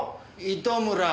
糸村。